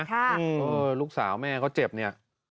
เออลูกสาวแม่เขาเจ็บเนี่ย